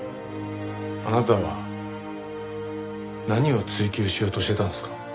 あなたは何を追究しようとしてたんですか？